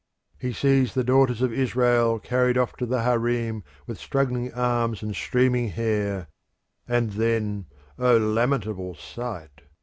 He sees the daughters of Israel carried off to the harem with struggling arms and streaming hair, and then O lamentable sight!